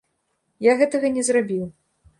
Я гэтага не зрабіў.